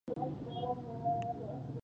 بوټونه د بازار د چکر لپاره ښه دي.